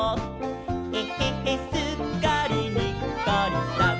「えへへすっかりにっこりさん！」